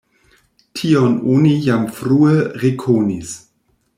Tion oni jam frue rekonis.